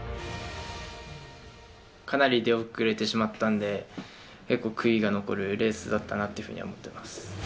かなり出遅れてしまったんで、結構悔いが残るレースだったなというふうには思ってます。